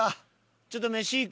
ちょっと飯行く？